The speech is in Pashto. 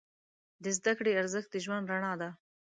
د زده کړې ارزښت د ژوند رڼا ده.